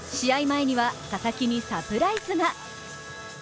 前には佐々木にサプライズが。